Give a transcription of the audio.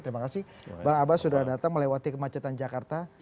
terima kasih bang abbas sudah datang melewati kemacetan jakarta